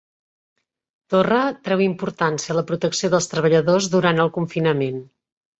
Torra treu importància a la protecció dels treballadors durant el confinament